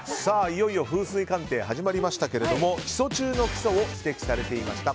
いよいよ風水鑑定が始まりましたが基礎中の基礎を指摘されていました。